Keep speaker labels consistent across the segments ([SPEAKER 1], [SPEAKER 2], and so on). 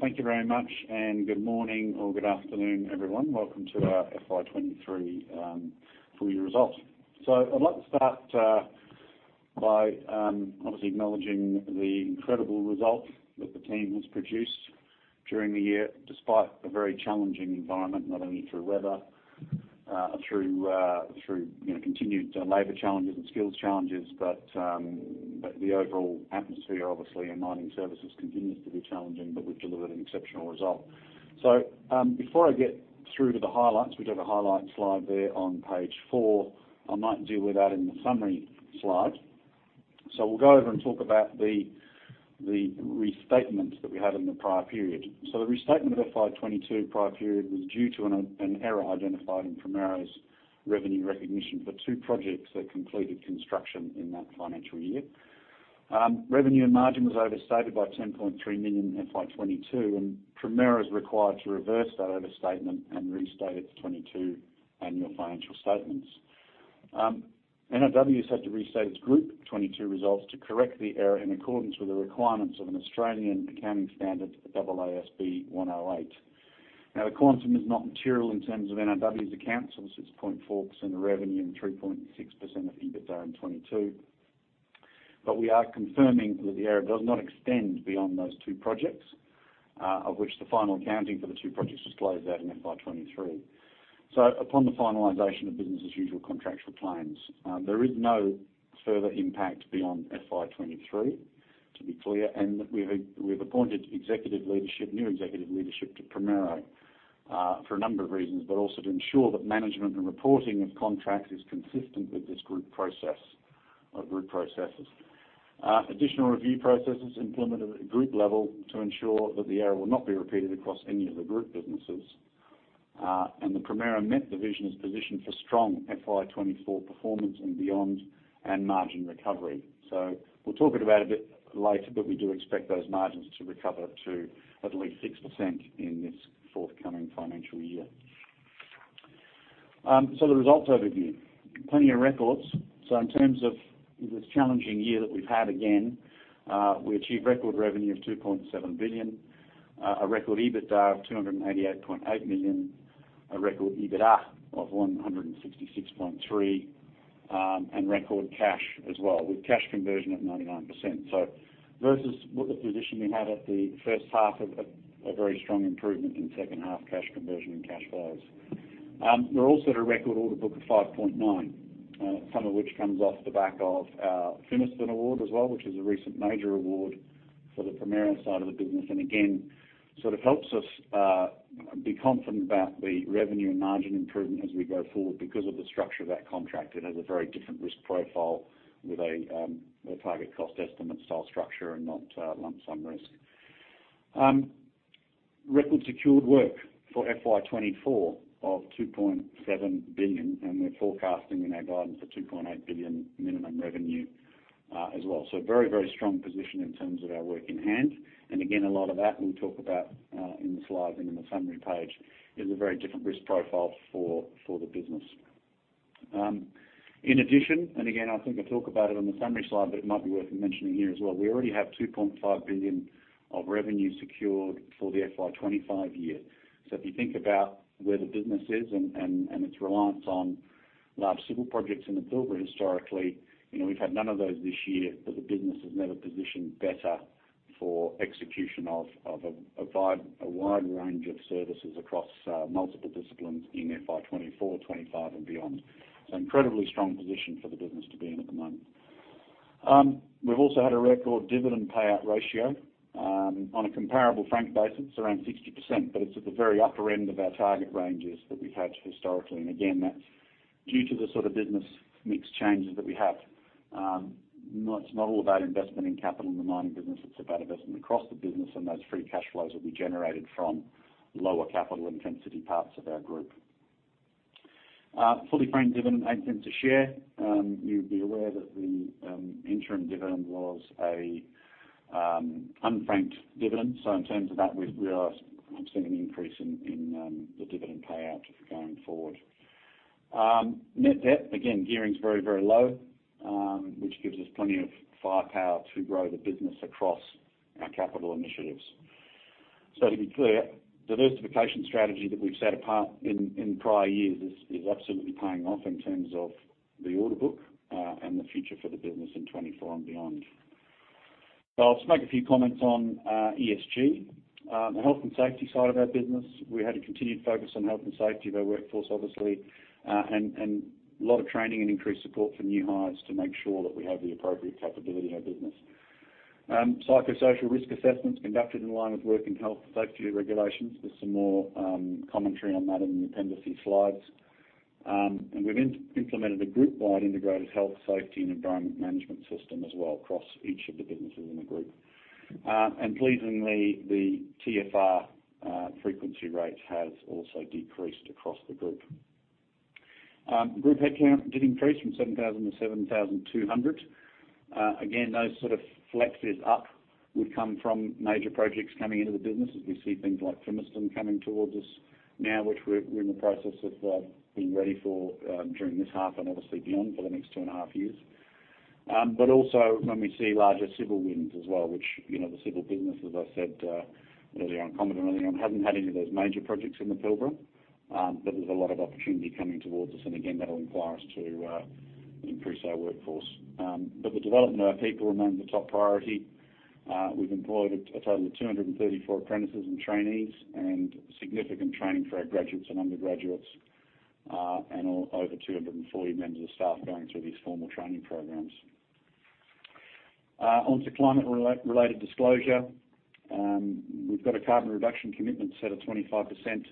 [SPEAKER 1] Thank you very much, and good morning or good afternoon, everyone. Welcome to our FY23 full year results. I'd like to start by obviously acknowledging the incredible result that the team has produced during the year, despite a very challenging environment, not only through weather, through, through, you know, continued labor challenges and skills challenges. But the overall atmosphere, obviously, in mining services continues to be challenging, but we've delivered an exceptional result. Before I get through to the highlights, we do have a highlights slide there on page 4. I might deal with that in the summary slide. We'll go over and talk about the, the restatements that we had in the prior period. The restatement of FY22 prior period was due to an error identified in Primero's revenue recognition for 2 projects that completed construction in that financial year. Revenue and margin was overstated by 10.3 million in FY22, and Primero is required to reverse that overstatement and restate its 22 annual financial statements. NRW has had to restate its group 22 results to correct the error in accordance with the requirements of an Australian Accounting Standards, AASB 108. The quantum is not material in terms of NRW's accounts, obviously it's 0.4% of revenue and 3.6% of EBITDA in 22. We are confirming that the error does not extend beyond those 2 projects, of which the final accounting for the 2 projects was closed out in FY23. Upon the finalization of business as usual contractual claims, there is no further impact beyond FY23, to be clear. We have, we have appointed executive leadership, new executive leadership to Primero, for a number of reasons, but also to ensure that management and reporting of contracts is consistent with this group process or group processes. Additional review processes implemented at group level to ensure that the error will not be repeated across any of the group businesses. The Primero MET division is positioned for strong FY24 performance and beyond and margin recovery. We'll talk about it a bit later, but we do expect those margins to recover to at least 6% in this forthcoming financial year. The results overview. Plenty of records. In terms of this challenging year that we've had, again, we achieved record revenue of 2.7 billion, a record EBITDA of 288.8 million, a record EBITDA of 166.3 million, and record cash as well, with cash conversion of 99%. Versus what the position we had at the first half of a, a very strong improvement in second half cash conversion and cash flows. We're also at a record order book of 5.9 billion, some of which comes off the back of our Fimiston award as well, which is a recent major award for the Primero side of the business. Again, sort of helps us be confident about the revenue and margin improvement as we go forward because of the structure of that contract. It has a very different risk profile with a target cost estimate style structure and not lump sum risk. Record secured work for FY24 of 2.7 billion, and we're forecasting in our guidance for 2.8 billion minimum revenue as well. Very, very strong position in terms of our work in hand. Again, a lot of that we'll talk about in the slides and in the summary page, is a very different risk profile for, for the business. In addition, again, I think I talk about it on the summary slide, but it might be worth mentioning here as well. We already have 2.5 billion of revenue secured for the FY25 year. If you think about where the business is and, and, and its reliance on large civil projects in the Pilbara historically, you know, we've had none of those this year. The business is never positioned better for execution of, of a, a wide, a wide range of services across multiple disciplines in FY24, FY25 and beyond. Incredibly strong position for the business to be in at the moment. We've also had a record dividend payout ratio. On a comparable frank basis, around 60%, but it's at the very upper end of our target ranges that we've had historically. Again, that's due to the sort of business mix changes that we have. Not, it's not all about investment in capital in the mining business, it's about investment across the business, and those free cash flows will be generated from lower capital intensity parts of our group. Fully franked dividend 18 per share. You'd be aware that the interim dividend was a unfranked dividend. In terms of that, we've realized a significant increase in, in the dividend payout going forward. Net debt, again, gearing is very, very low, which gives us plenty of firepower to grow the business across our capital initiatives. To be clear, diversification strategy that we've set apart in, in prior years is, is absolutely paying off in terms of the order book, and the future for the business in 2024 and beyond. I'll just make a few comments on ESG. The health and safety side of our business, we had a continued focus on health and safety of our workforce, obviously, and a lot of training and increased support for new hires to make sure that we have the appropriate capability in our business. Psychosocial risk assessments conducted in line with work and health safety regulations. There's some more commentary on that in the appendix slides. We've implemented a group-wide integrated health, safety, and environment management system as well, across each of the businesses in the group. Pleasingly, the TRIFR frequency rate has also decreased across the group. Group headcount did increase from 7,000 to 7,200. Again, those sort of flexes up would come from major projects coming into the business as we see things like Fimiston coming towards us.... now, which we're, we're in the process of being ready for, during this half and obviously beyond, for the next 2.5 years. Also when we see larger civil wins as well, which, you know, the civil business, as I said, earlier on, commented earlier on, hasn't had any of those major projects in the Pilbara. There's a lot of opportunity coming towards us, and again, that'll require us to increase our workforce. The development of our people remains a top priority. We've employed a total of 234 apprentices and trainees, and significant training for our graduates and undergraduates, and over 240 members of staff going through these formal training programs. Onto climate-related disclosure, we've got a carbon reduction commitment set at 25%, a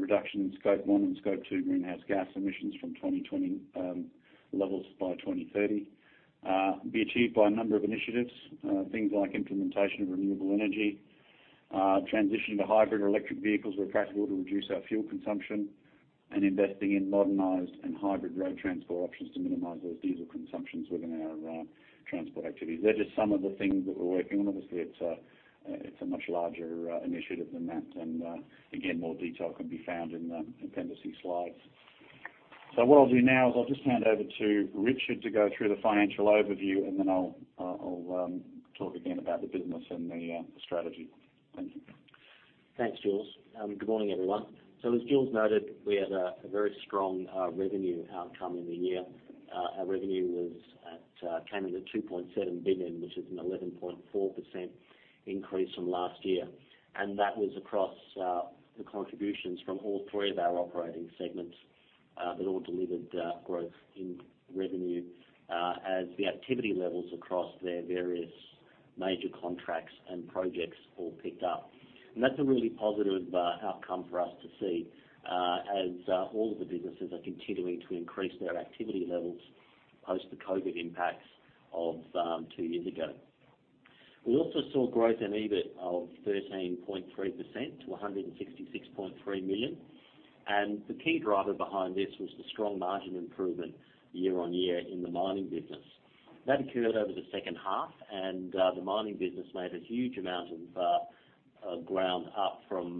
[SPEAKER 1] reduction in Scope 1 and Scope 2 greenhouse gas emissions from 2020 levels by 2030. Be achieved by a number of initiatives, things like implementation of renewable energy, transitioning to hybrid or electric vehicles where practical, to reduce our fuel consumption, and investing in modernized and hybrid road transport options to minimize those diesel consumptions within our transport activities. They're just some of the things that we're working on. Obviously, it's a, it's a much larger initiative than that, and again, more detail can be found in the Appendix slides. What I'll do now is I'll just hand over to Richard to go through the financial overview, and then I'll, I'll talk again about the business and the strategy. Thank you.
[SPEAKER 2] Thanks, Jules. Good morning, everyone. As Jules noted, we had very strong revenue outcome in the year. Our revenue was at came in at 2.7 billion, which is an 11.4% increase from last year. That was across the contributions from all three of our operating segments that all delivered growth in revenue as the activity levels across their various major contracts and projects all picked up. That's a really positive outcome for us to see as all of the businesses are continuing to increase their activity levels post the COVID impacts of two years ago. We also saw growth in EBIT of 13.3% to 166.3 million, and the key driver behind this was the strong margin improvement year-on-year in the mining business. That occurred over the second half, and the mining business made a huge amount of ground up from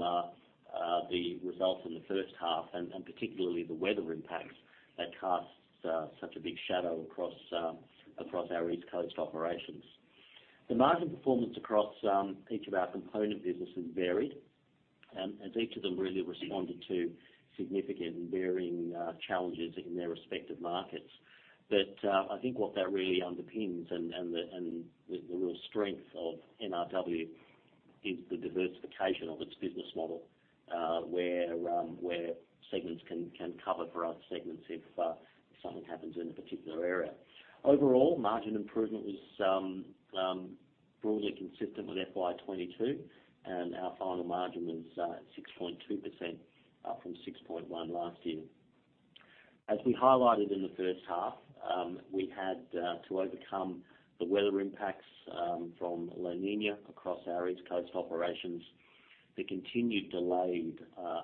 [SPEAKER 2] the results in the first half, and particularly the weather impacts that cast such a big shadow across across our East Coast operations. The margin performance across each of our component businesses varied, as each of them really responded to significant and varying challenges in their respective markets. I think what that really underpins and the real strength of NRW is the diversification of its business model, where segments can cover for other segments if something happens in a particular area. Overall, margin improvement was broadly consistent with FY22, and our final margin was 6.2% from 6.1 last year. As we highlighted in the first half, we had to overcome the weather impacts from La Niña across our East Coast operations, the continued delayed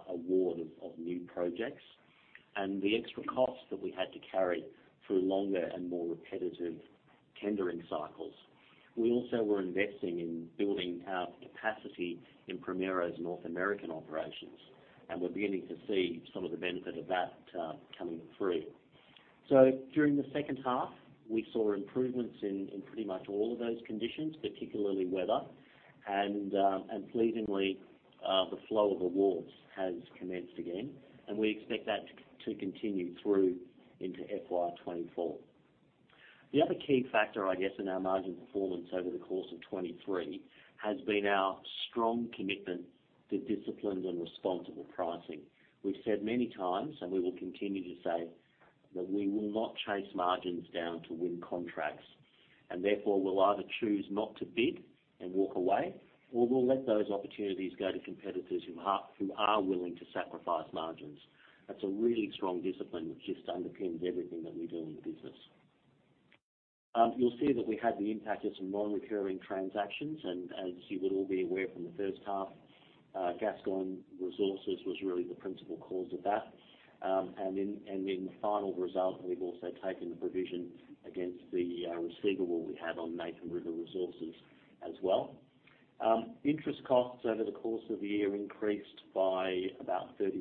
[SPEAKER 2] award of new projects, and the extra costs that we had to carry through longer and more repetitive tendering cycles. We also were investing in building our capacity in Primero's North American operations, and we're beginning to see some of the benefit of that coming through. During the second half, we saw improvements in, in pretty much all of those conditions, particularly weather. Pleasingly, the flow of awards has commenced again, and we expect that to, to continue through into FY24. The other key factor, I guess, in our margin performance over the course of 2023, has been our strong commitment to disciplined and responsible pricing. We've said many times, and we will continue to say, that we will not chase margins down to win contracts, and therefore, we'll either choose not to bid and walk away, or we'll let those opportunities go to competitors who are, who are willing to sacrifice margins. That's a really strong discipline, which just underpins everything that we do in the business. You'll see that we had the impact of some non-recurring transactions, and as you would all be aware from the first half, Gascoyne Resources was really the principal cause of that. And in, and in the final result, we've also taken the provision against the receivable we had on Nathan River Resources as well. Interest costs over the course of the year increased by about 30%.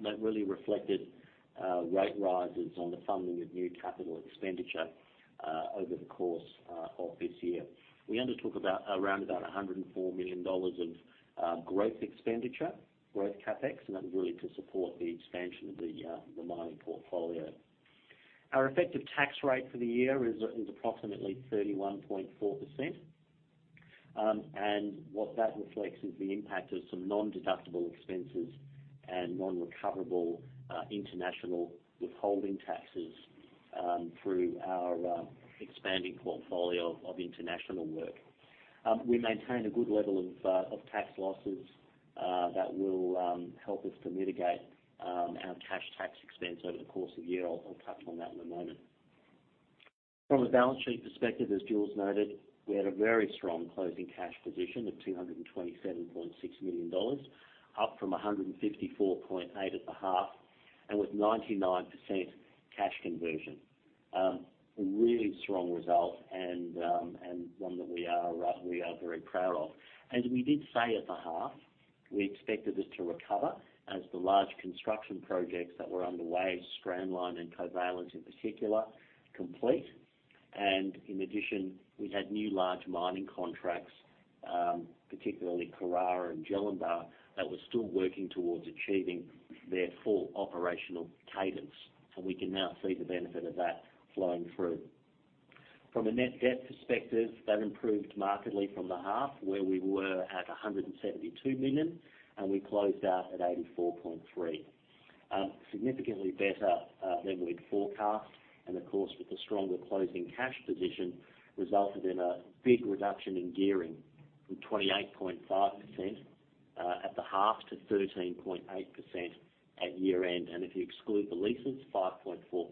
[SPEAKER 2] That really reflected rate rises on the funding of new capital expenditure over the course of this year. We undertook about, around about 104 million dollars of growth expenditure, growth CapEx, and that was really to support the expansion of the mining portfolio. Our effective tax rate for the year is approximately 31.4%. What that reflects is the impact of some non-deductible expenses and non-recoverable international withholding taxes through our expanding portfolio of international work. We maintained a good level of tax losses that will help us to mitigate our cash tax expense over the course of the year. I'll touch on that in a moment. From a balance sheet perspective, as Jules noted, we had a very strong closing cash position of 227.6 million dollars, up from 154.8 million at the half. With 99% cash conversion. A really strong result, and one that we are very proud of. As we did say at the half, we expected this to recover as the large construction projects that were underway, Strandline and Covalent in particular, complete. In addition, we had new large mining contracts, particularly Karara and Baralaba, that were still working towards achieving their full operational cadence, and we can now see the benefit of that flowing through. From a net debt perspective, that improved markedly from the half, where we were at 172 million, and we closed out at 84.3 million. Significantly better than we'd forecast, and of course, with the stronger closing cash position, resulted in a big reduction in gearing from 28.5% at the half, to 13.8% at year-end. If you exclude the leases, 5.4%.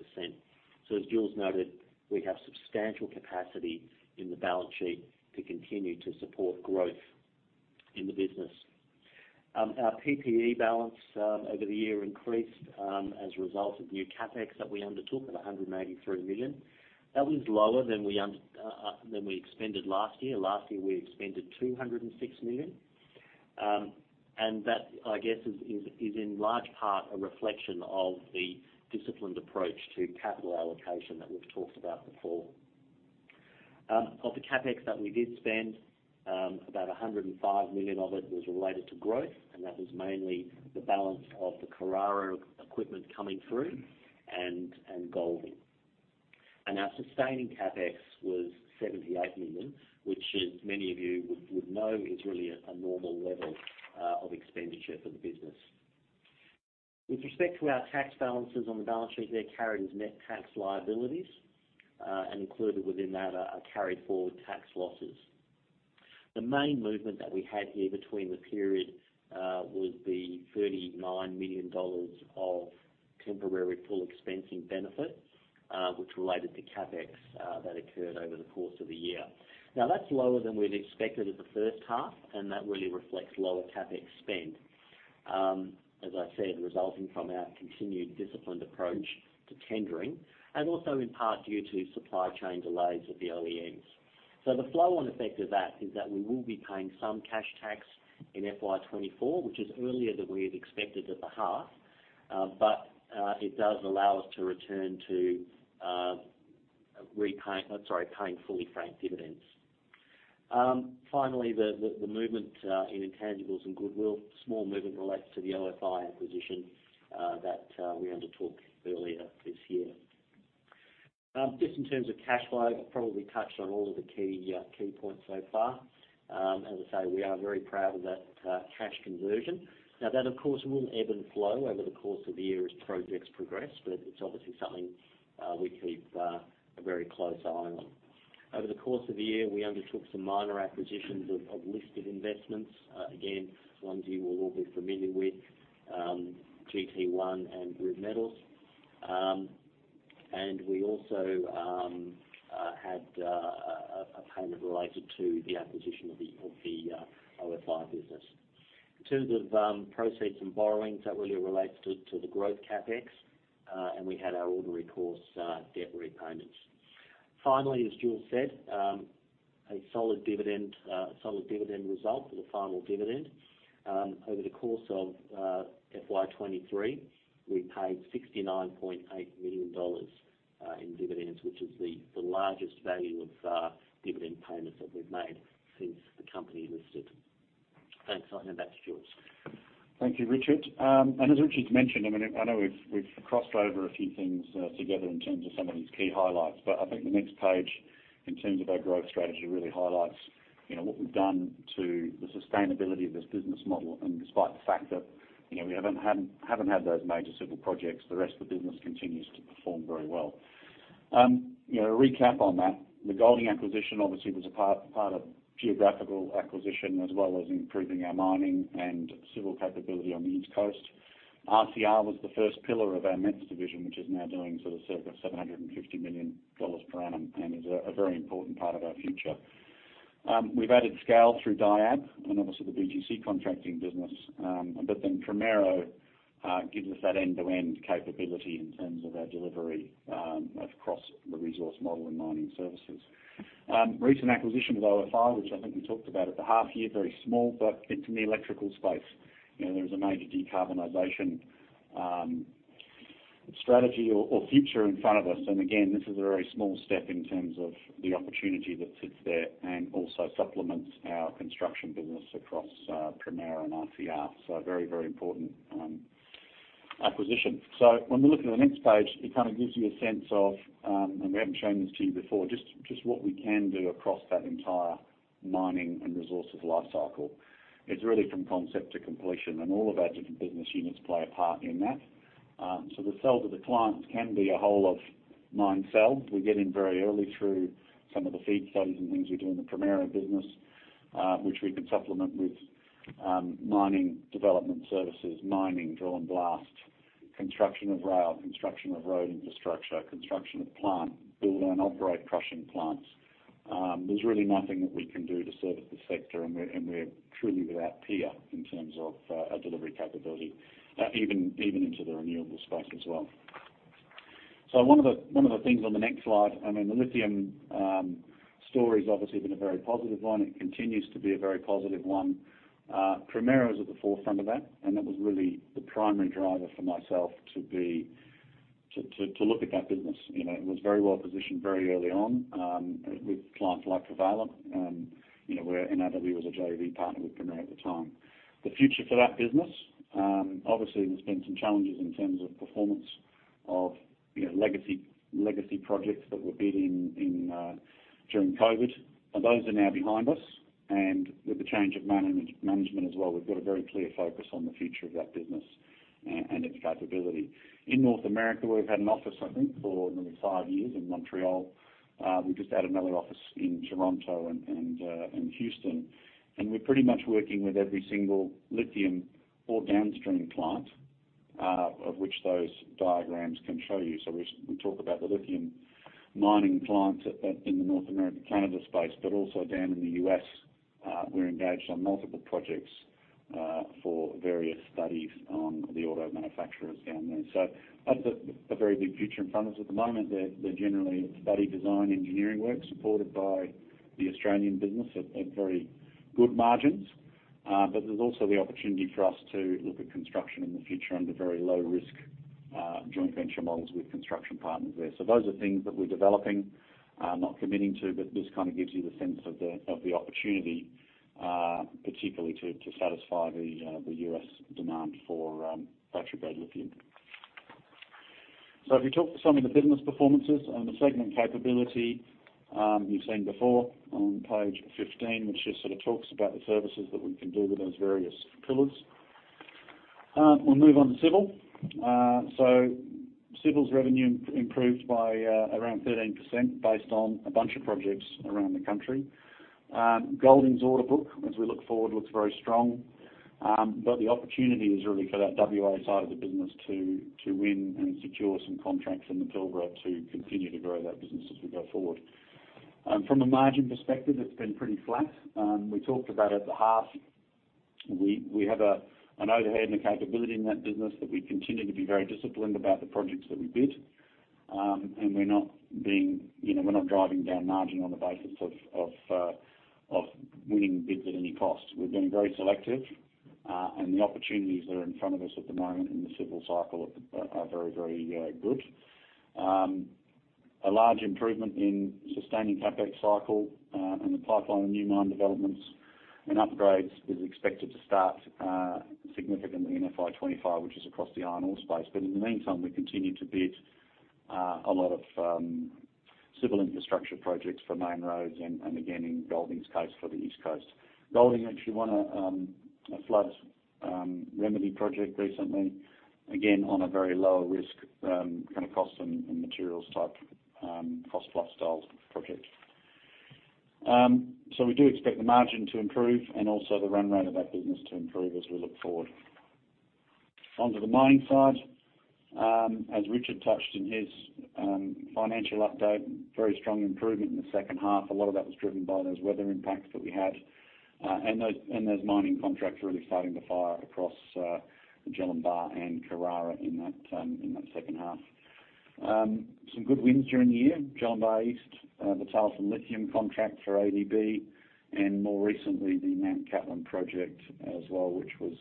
[SPEAKER 2] As Jules noted, we have substantial capacity in the balance sheet to continue to support growth in the business. Our PPE balance over the year increased as a result of new CapEx that we undertook at 183 million. That was lower than we expended last year. Last year, we expended 206 million. And that, I guess, is in large part a reflection of the disciplined approach to capital allocation that we've talked about before. Of the CapEx that we did spend, about 105 million of it was related to growth, and that was mainly the balance of the Karara equipment coming through, and Golding. Our sustaining CapEx was 78 million, which as many of you would, would know, is really a normal level of expenditure for the business. With respect to our tax balances on the balance sheet, they're carried as net tax liabilities, and included within that are, are carried forward tax losses. The main movement that we had here between the period was the 39 million dollars of temporary full expensing benefit, which related to CapEx that occurred over the course of the year. Now, that's lower than we'd expected at the first half, and that really reflects lower CapEx spend. As I said, resulting from our continued disciplined approach to tendering, and also in part due to supply chain delays at the OEMs. The flow-on effect of that is that we will be paying some cash tax in FY24, which is earlier than we had expected at the half. It does allow us to return to repaying. I'm sorry, paying fully franked dividends. Finally, the movement in intangibles and goodwill, small movement relates to the OFI acquisition that we undertook earlier this year. In terms of cash flow, I've probably touched on all of the key points so far. As I say, we are very proud of that cash conversion. That, of course, will ebb and flow over the course of the year as projects progress, but it's obviously something we keep a very close eye on. Over the course of the year, we undertook some minor acquisitions of listed investments. Again, ones you will all be familiar with, GT1 and Grid Metals. We also had a payment related to the acquisition of the OFI business. In terms of proceeds and borrowings, that really relates to the growth CapEx, and we had our ordinary course debt repayments. Finally, as Jules said, a solid dividend, solid dividend result for the final dividend. Over the course of FY23, we paid 69.8 million dollars in dividends, which is the largest value of dividend payments that we've made since the company listed. Thanks. I'll hand back to Jules.
[SPEAKER 1] Thank you, Richard. as Richard's mentioned, I mean, I know we've, we've crossed over a few things, together in terms of some of these key highlights, but I think the next page, in terms of our growth strategy, really highlights, you know, what we've done to the sustainability of this business model. Despite the fact that, you know, we haven't had, haven't had those major civil projects, the rest of the business continues to perform very well. you know, a recap on that. The Golding acquisition obviously was a part, part of geographical acquisition, as well as improving our mining and civil capability on the East Coast. RCR was the first pillar of our METS division, which is now doing sort of circa 750 million dollars per annum, and is a, a very important part of our future. We've added scale through Diab and obviously the BGC Contracting business. Primero gives us that end-to-end capability in terms of our delivery across the resource model and mining services. Recent acquisition of OFI, which I think we talked about at the half-year, very small, but it's in the electrical space. You know, there is a major decarbonization strategy or future in front of us. Again, this is a very small step in terms of the opportunity that sits there and also supplements our construction business across Primero and RCR. A very, very important acquisition. When we look at the next page, it kind of gives you a sense of... We haven't shown this to you before, just what we can do across that entire mining and resources lifecycle. It's really from concept to completion, and all of our different business units play a part in that. The sale to the clients can be a whole of mine sale. We get in very early through some of the feed studies and things we do in the Primero business, which we can supplement with mining development services, mining, drill and blast, construction of rail, construction of road infrastructure, construction of plant, build and operate crushing plants. There's really nothing that we can do to service the sector, and we're, and we're truly without peer in terms of our delivery capability, even, even into the renewables space as well. One of the, one of the things on the next slide, I mean, the lithium story's obviously been a very positive one. It continues to be a very positive one. Primero's at the forefront of that, and that was really the primary driver for myself to look at that business. You know, it was very well positioned very early on, with clients like Covalent, you know, where NRW was a JV partner with Primero at the time. The future for that business, obviously, there's been some challenges in terms of performance of, you know, legacy, legacy projects that were bid in during COVID, and those are now behind us. With the change of management as well, we've got a very clear focus on the future of that business and its capability. In North America, we've had an office, I think, for nearly five years in Montreal. We just added another office in Toronto and Houston, and we're pretty much working with every single lithium or downstream client, of which those diagrams can show you. We, we talk about the lithium mining clients in the North America, Canada space, but also down in the US, we're engaged on multiple projects for various studies on the auto manufacturers down there. A very big future in front of us. At the moment, they're, they're generally study design engineering work, supported by the Australian business at very good margins. But there's also the opportunity for us to look at construction in the future under very low risk, joint venture models with construction partners there. Those are things that we're developing, not committing to, but this kind of gives you the sense of the, of the opportunity, particularly to, to satisfy the, the US demand for battery-grade lithium. If you talk to some of the business performances and the segment capability, you've seen before on Page 15, which just sort of talks about the services that we can do with those various pillars. We'll move on to civil. Civil's revenue improved by around 13%, based on a bunch of projects around the country. Golding's order book, as we look forward, looks very strong. The opportunity is really for that WA side of the business to, to win and secure some contracts in the Pilbara to continue to grow that business as we go forward. From a margin perspective, it's been pretty flat. We talked about at the half, we have an overhead and a capability in that business that we continue to be very disciplined about the projects that we bid. We're not being... You know, we're not driving down margin on the basis of winning bids at any cost. We're being very selective, and the opportunities that are in front of us at the moment in the civil cycle are very, very good. A large improvement in sustaining CapEx cycle, and the pipeline of new mine developments and upgrades is expected to start significantly in FY25, which is across the iron ore space. In the meantime, we continue to bid a lot of civil infrastructure projects for main roads and, and again, in Golding's case, for the East Coast. Golding actually won a floods remedy project recently, again, on a very low risk, kind of, costs and, and materials type cost plus style project. We do expect the margin to improve and also the run rate of that business to improve as we look forward. Onto the mining side. As Richard touched in his financial update, very strong improvement in the second half. A lot of that was driven by those weather impacts that we had, and those, and those mining contracts really starting to fire across Jellinbah and Karara in that in that second half. Some good wins during the year. Jellinbah East, the Talison Lithium contract for ADB, and more recently, the Mt Cattlin project as well, which was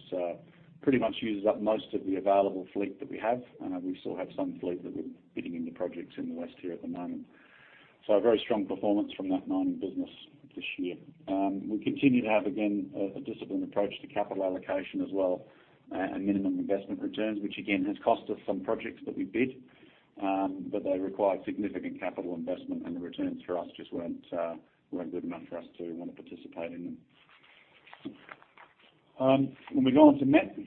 [SPEAKER 1] pretty much uses up most of the available fleet that we have. We still have some fleet that we're bidding in the projects in the west here at the moment. A very strong performance from that mining business this year. We continue to have, again, a disciplined approach to capital allocation as well, and minimum investment returns, which again, has cost us some projects that we bid. They required significant capital investment, and the returns for us just weren't good enough for us to want to participate in them. When we go on to METS,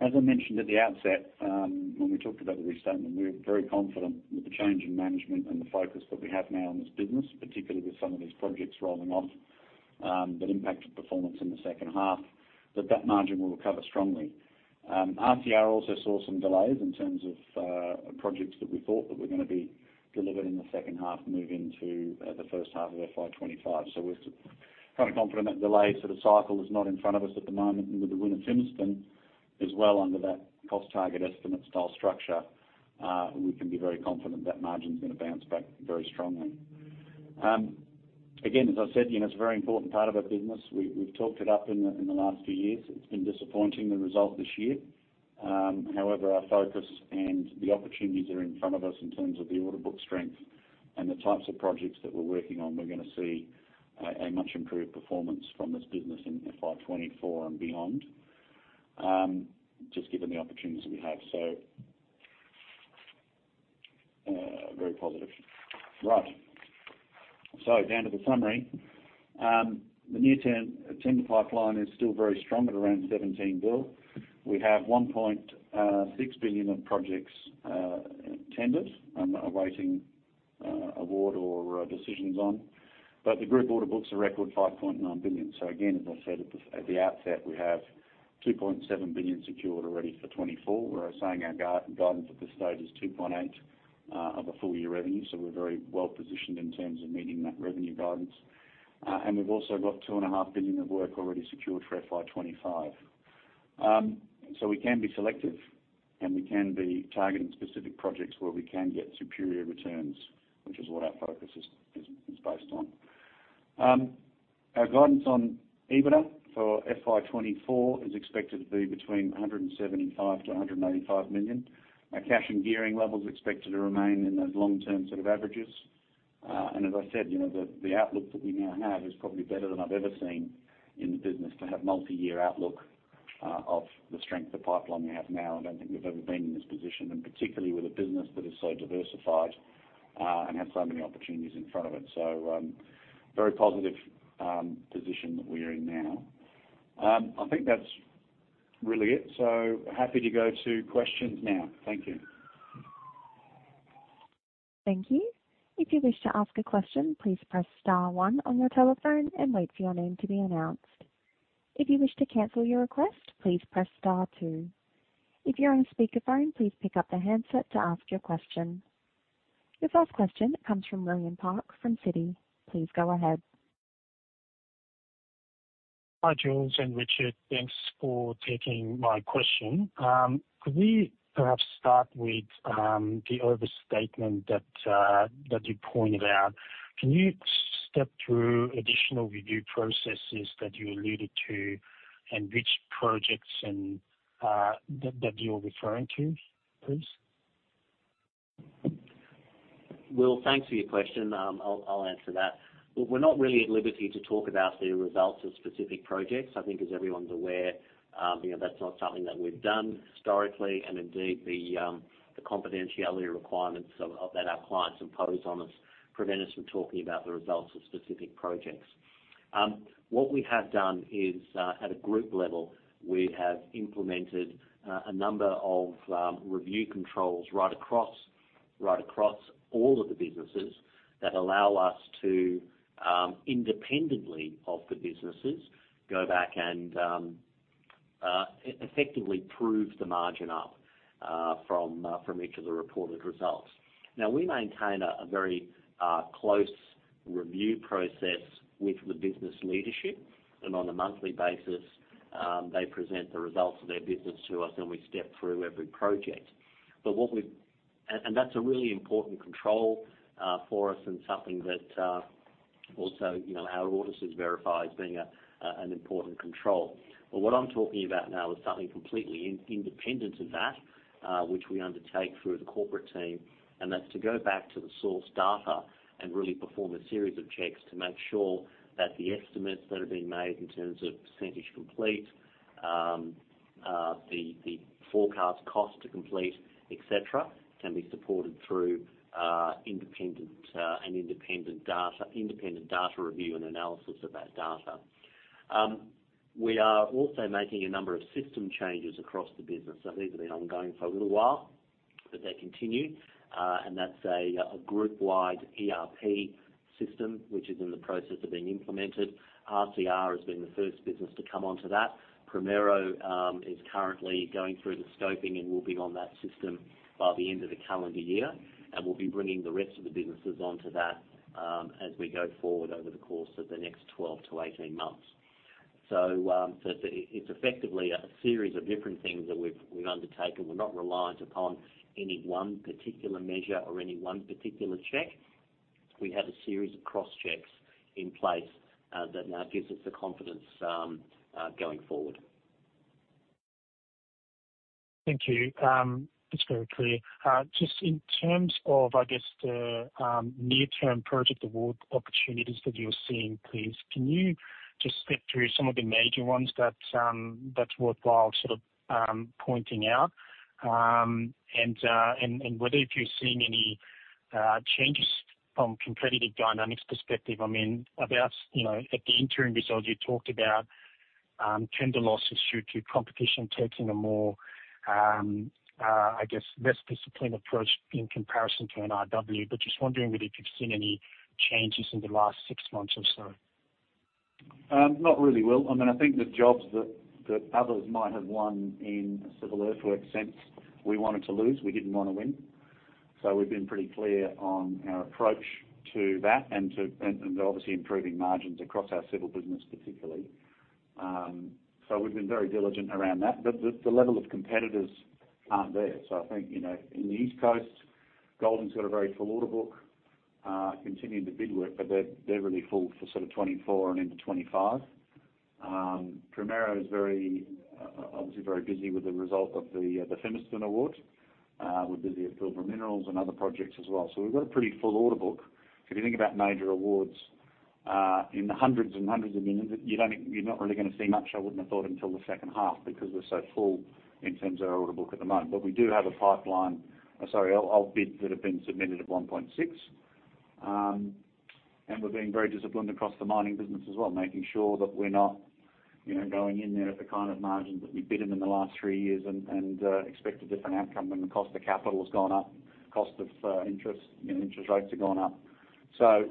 [SPEAKER 1] as I mentioned at the outset, when we talked about the restatement, we're very confident with the change in management and the focus that we have now on this business, particularly with some of these projects rolling off, that impacted performance in the second half, that that margin will recover strongly. RCR also saw some delays in terms of projects that we thought that were going to be delivered in the second half, move into the first half of FY25. We're kind of confident that delay sort of cycle is not in front of us at the moment. With the winner, Fimiston, as well, under that cost target estimate style structure, we can be very confident that margin's going to bounce back very strongly. Again, as I said, you know, it's a very important part of our business. We've talked it up in the, in the last few years. It's been disappointing, the result this year. However, our focus and the opportunities that are in front of us in terms of the order book strength and the types of projects that we're working on, we're gonna see a much improved performance from this business in FY24 and beyond, just given the opportunities that we have. Very positive. Right. Down to the summary. The new tender, tender pipeline is still very strong at around 17 billion. We have 1.6 billion of projects tendered and are awaiting award or decisions on, the group order book's a record 5.9 billion. Again, as I said at the outset, we have 2.7 billion secured already for FY24. We're saying our guidance at this stage is 2.8 billion of a full year revenue, so we're very well positioned in terms of meeting that revenue guidance. We've also got 2.5 billion of work already secured for FY25. So we can be selective, and we can be targeting specific projects where we can get superior returns, which is what our focus is based on. Our guidance on EBITDA for FY24 is expected to be between 175 million-185 million. Our cash and gearing level is expected to remain in those long-term set of averages. As I said, you know, the, the outlook that we now have is probably better than I've ever seen in the business, to have multi-year outlook of the strength of pipeline we have now. I don't think we've ever been in this position, and particularly with a business that is so diversified, and have so many opportunities in front of it. Very positive position that we're in now. I think that's really it, so happy to go to questions now. Thank you.
[SPEAKER 3] Thank you. If you wish to ask a question, please press star one on your telephone and wait for your name to be announced. If you wish to cancel your request, please press star two. If you're on speakerphone, please pick up the handset to ask your question. Your first question comes from William Park, from Citi. Please go ahead.
[SPEAKER 4] Hi, Jules and Richard. Thanks for taking my question. Could we perhaps start with the overstatement that that you pointed out? Can you step through additional review processes that you alluded to, and which projects and that that you're referring to, please?
[SPEAKER 2] Well, thanks for your question. I'll, I'll answer that. We're not really at liberty to talk about the results of specific projects. I think, as everyone's aware, you know, that's not something that we've done historically, and indeed, the confidentiality requirements of, of that our clients impose on us prevent us from talking about the results of specific projects. What we have done is, at a group level, we have implemented a number of review controls right across, right across all of the businesses that allow us to, independently of the businesses, go back and effectively prove the margin up, from each of the reported results. We maintain a very close review process with the business leadership, and on a monthly basis, they present the results of their business to us, and we step through every project. What we-- and that's a really important control for us and something that also, you know, our auditors verify as being an important control. What I'm talking about now is something completely independent of that, which we undertake through the corporate team, and that's to go back to the source data and really perform a series of checks to make sure that the estimates that have been made in terms of percentage complete, the forecast cost to complete, et cetera, can be supported through independent, an independent data, independent data review and analysis of that data. We are also making a number of system changes across the business. These have been ongoing for a little while, but they continue. That's a group-wide ERP system, which is in the process of being implemented. RCR has been the first business to come onto that. Primero is currently going through the scoping and will be on that system by the end of the calendar year, and we'll be bringing the rest of the businesses onto that as we go forward over the course of the next 12 to 18 months. It's effectively a series of different things that we've undertaken. We're not reliant upon any one particular measure or any one particular check. We have a series of crosschecks in place that now gives us the confidence going forward.
[SPEAKER 4] Thank you. It's very clear. Just in terms of, I guess, the near-term project award opportunities that you're seeing, please, can you just step through some of the major ones that that's worthwhile sort of pointing out? Whether if you're seeing any changes from competitive dynamics perspective, I mean, about, you know, at the interim results, you talked about tender losses due to competition taking a more, I guess, less disciplined approach in comparison to NRW. Just wondering whether you've seen any changes in the last six months or so?
[SPEAKER 1] Not really, Will. I think the jobs that others might have won in civil earthworks sense, we wanted to lose, we didn't want to win. We've been pretty clear on our approach to that and obviously improving margins across our civil business particularly. We've been very diligent around that. The level of competitors aren't there. I think, in the East Coast, Golding's got a very full order book, continuing to bid work, but they're really full for sort of 2024 and into 2025. Primero is very, obviously very busy with the result of the Fimiston award. We're busy at Pilbara Minerals and other projects as well. We've got a pretty full order book. If you think about major awards, in the hundreds and hundreds of millions, you're not really gonna see much, I wouldn't have thought, until the second half, because we're so full in terms of our order book at the moment. We do have a pipeline, sorry, of, of bids that have been submitted of 1.6. And we're being very disciplined across the mining business as well, making sure that we're not, you know, going in there at the kind of margins that we bid them in the last three years and expect a different outcome when the cost of capital has gone up, cost of interest, you know, interest rates have gone up....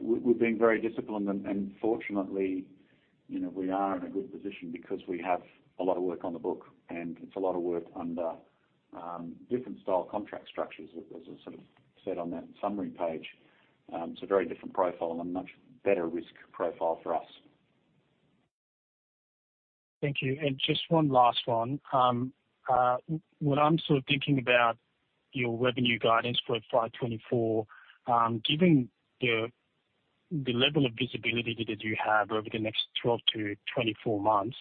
[SPEAKER 1] We, we're being very disciplined, and, and fortunately, you know, we are in a good position because we have a lot of work on the book, and it's a lot of work under different style contract structures. I sort of said on that summary page, it's a very different profile and a much better risk profile for us.
[SPEAKER 4] Thank you. Just one last one. When I'm sort of thinking about your revenue guidance for FY24, given the, the level of visibility that you have over the next 12-24 months,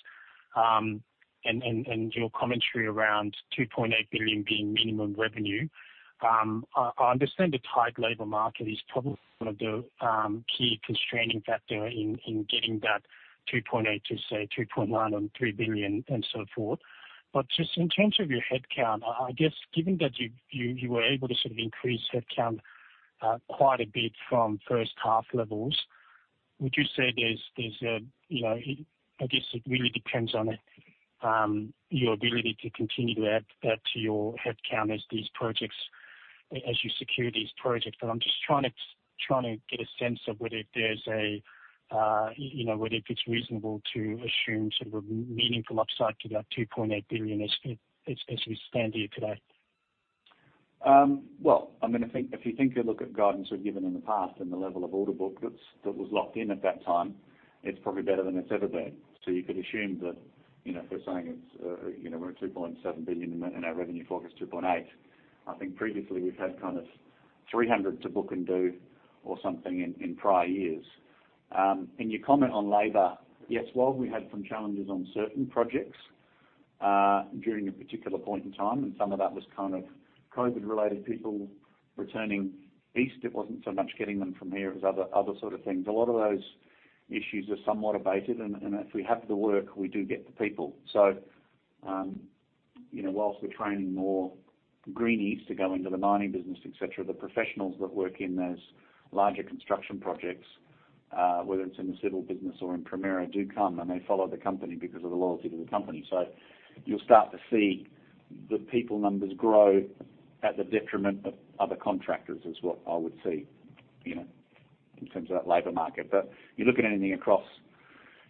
[SPEAKER 4] and, and, and your commentary around 2.8 billion being minimum revenue, I, I understand the tight labor market is probably one of the key constraining factor in, in getting that 2.8 billion to, say, 2.9 billion or 3 billion and so forth. Just in terms of your headcount, I, I guess given that you, you, you were able to sort of increase headcount, quite a bit from first-half levels, would you say there's, there's a, you know, I guess it really depends on your ability to continue to add, add to your headcount as you secure these projects. I'm just trying to, trying to get a sense of whether there's a, you know, whether if it's reasonable to assume sort of a meaningful upside to that 2.8 billion as, as, as we stand here today.
[SPEAKER 1] Well, I mean, I think if you think and look at guidance we've given in the past and the level of order book that's, that was locked in at that time, it's probably better than it's ever been. You could assume that, you know, if we're saying it's, you know, we're at 2.7 billion and our revenue focus is 2.8 billion, I think previously we've had kind of 300 to book and do or something in, in prior years. You comment on labor. Yes, while we had some challenges on certain projects, during a particular point in time, and some of that was kind of COVID-related, people returning east, it wasn't so much getting them from here, it was other, other sort of things. A lot of those issues are somewhat abated. If we have the work, we do get the people. You know, whilst we're training more greenies to go into the mining business, et cetera, the professionals that work in those larger construction projects, whether it's in the civil business or in Primero, do come, and they follow the company because of the loyalty to the company. You'll start to see the people numbers grow at the detriment of other contractors, is what I would see, you know, in terms of that labor market. You look at anything across,